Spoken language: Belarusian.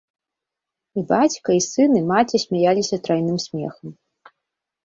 І бацька і сын, і маці смяяліся трайным смехам.